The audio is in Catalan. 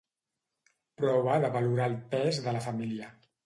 Prova de valorar el pes de la família.